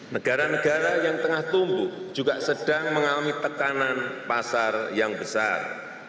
negara negara yang tengah tumbuh juga sedang mengalami tekanan pasar yang besar